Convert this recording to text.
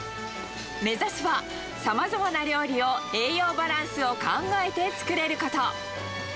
目指すは、さまざまな料理を栄養バランスを考えて作れること。